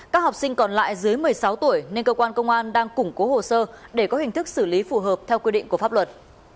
các học sinh còn lại dưới một mươi sáu tuổi nên cơ quan công an đang củng cố hồ sơ để có hình thức xử lý phù hợp theo quy định của pháp luật